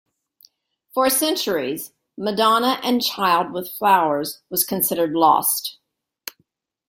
For centuries, "Madonna and Child with Flowers" was considered lost.